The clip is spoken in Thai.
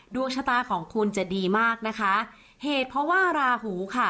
ดวงชะตาของคุณจะดีมากนะคะเหตุเพราะว่าราหูค่ะ